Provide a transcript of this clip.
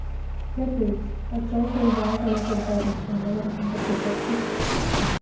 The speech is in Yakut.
Бэрт эбит, оччоҕо сэрэдэҕэ кэлэ сылдьаарыҥ, онно барытын кэпсэтиэхпит